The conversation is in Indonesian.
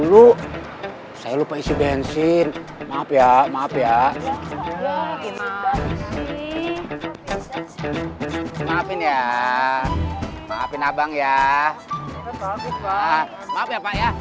dulu saya lupa isi bensin maaf ya maaf ya maafin ya maafin abang ya maaf ya pak ya